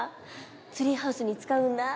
ツリーハウスに使うんだ。